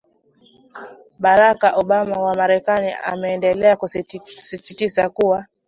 barack obama wa marekani ameendelea kusisitiza kuwa